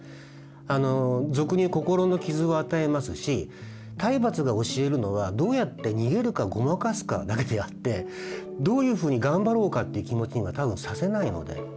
あの俗にいう心の傷を与えますし体罰が教えるのはどうやって逃げるかごまかすかだけであってどういうふうに頑張ろうかって気持ちには多分させないので。